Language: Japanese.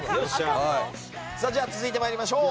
続いてまいりましょう。